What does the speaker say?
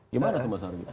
gimana tuh mas arief